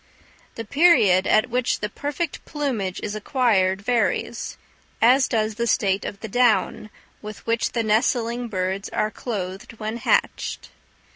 The period at which the perfect plumage is acquired varies, as does the state of the down with which the nestling birds are clothed when hatched.